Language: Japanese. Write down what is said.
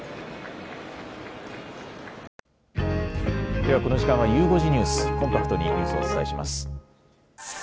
ではこの時間はゆう５時ニュース、コンパクトにニュースをお伝えします。